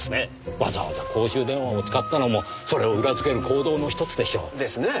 わざわざ公衆電話を使ったのもそれを裏づける行動のひとつでしょう。ですね。